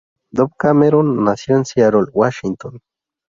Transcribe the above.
Dove Cameron nació en Seattle, Washington.